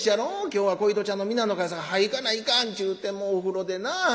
今日は小糸ちゃんの三七日やさかいはよ行かないかんちゅうてもうお風呂でな。